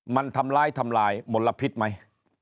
มันทำร้ายทำลายมลพิษไหม